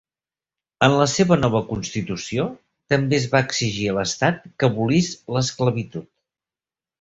En la seva nova constitució, també es va exigir a l'estat que abolís l'esclavitud.